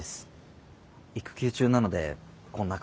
育休中なのでこんな感じですけど。